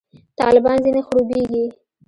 طالبان ځنې خړوبېږي.